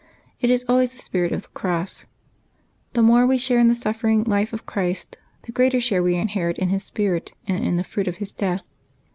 It is al ways the spirit of the cross. The more we share in the suffering life of Christ, the greater share we inherit in His spirit, and in the fruit of His death.